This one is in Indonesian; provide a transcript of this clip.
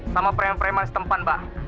sama preman preman setempat mbak